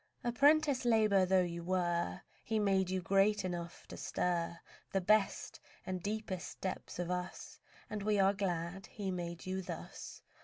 Apprentice labour though you were, He made you great enough to stir The best and deepest depths of us, And we are glad He made you thus.